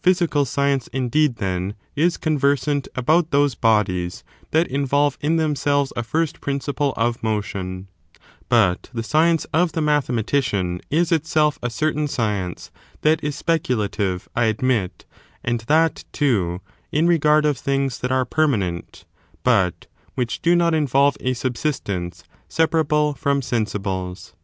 Physical Science, indeed, thenj is conversant about those bodies that involve in themselves a first principle of motion ; but the science of the mathematician is itself a certain science that is speculative, I admit, and that, too, in regard of things that are permanent, but which do not involve a subsistence separable from sensibles.